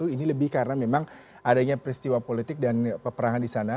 ini lebih karena memang adanya peristiwa politik dan peperangan di sana